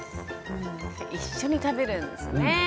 一緒に食べるんですね。